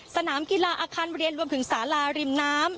สนามกีฬาอาคารเรียนรวมถึงสาลาริมน้ำ